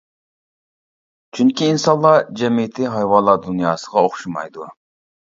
چۈنكى ئىنسانلار جەمئىيىتى ھايۋانلار دۇنياسىغا ئوخشىمايدۇ.